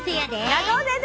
中尾先生